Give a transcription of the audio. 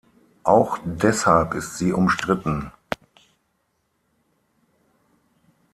Auch deshalb ist sie umstritten.